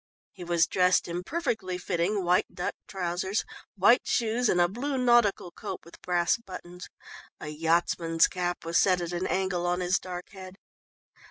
He was dressed in perfectly fitting white duck trousers, white shoes, and a blue nautical coat with brass buttons; a yachtsman's cap was set at an angle on his dark head.